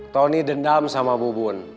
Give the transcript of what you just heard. tony dendam sama bubun